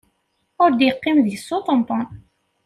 Ur d-iqqim deg-s uṭenṭun.